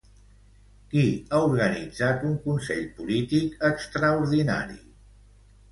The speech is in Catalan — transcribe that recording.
Qui ha organitzat un consell polític extraordinari?